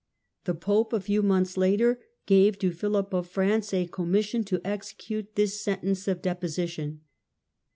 The pope, a few months later, gave to Philip of France a commission to execute this sentence of deposition.